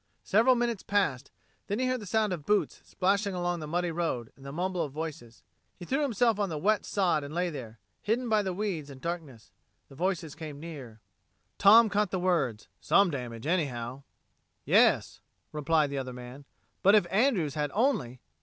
Several minutes passed, then he heard the sound of boots splashing along the muddy road, and the mumble of voices. He threw himself on the wet sod and lay there, hidden by the weeds and darkness. The voices came near. Tom caught the words "...some damage anyhow." "Yes," replied the other man, "but if Andrews had only...."